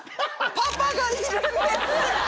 パパがいるんです！